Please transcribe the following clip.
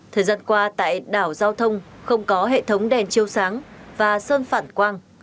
thời gian qua tại đảo giao thông không có hệ thống đèn chiêu sáng và sơn phản quang